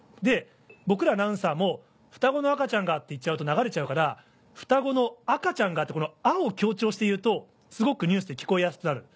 僕らアナウンサーも「双子の赤ちゃんが」って言っちゃうと流れちゃうから「双子の赤ちゃんが」って「あ」を強調して言うとすごくニュースって聞こえやすくなる。